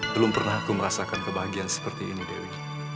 belum pernah aku merasakan kebahagiaan seperti ini dewi